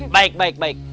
baik baik baik